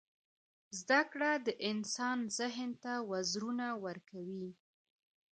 • زده کړه د انسان ذهن ته وزرونه ورکوي.